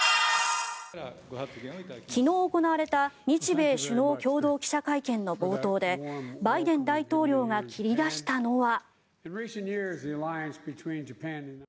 昨日、行われた日米首脳共同記者会見の冒頭でバイデン大統領が切り出したのは。